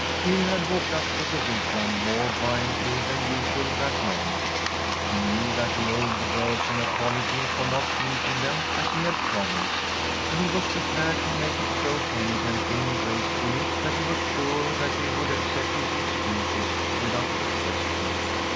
Phil had walked up to the Wigwam more buoyantly than usual that morning. He knew that he owed the girls an apology for not meeting them as he had promised, and he was prepared to make it so penitently and gracefully that he was sure that they would accept his excuses without a question.